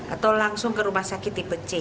atau langsung ke rumah sakit tipe c